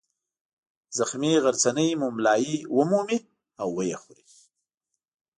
زخمي غرڅنۍ مُملایي ومومي او ویې خوري.